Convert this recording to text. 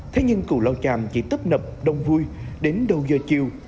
thế nhưng cù lao chàm chỉ tấp nập đông vui đến đầu giờ chiều